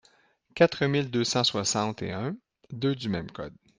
quatre mille deux cent soixante et un-deux du même code.